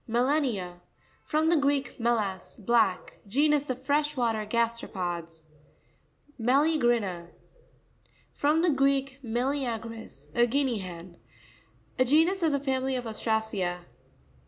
Mera'n1a.—From the Greek, melas, black. Genus of fresh water gas teropods. Me racrina.—From the Greek, me leagris, a guinea hen. A genus of the family of Ostracea.